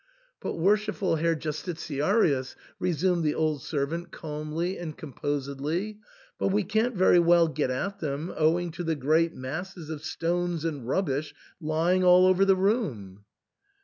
"" But, worshipful Herr Justitiarius," resumed the old servant calmly and composedly, " but we can't very well get at them owing to the great masses of stones and rubbisti lying all over the room."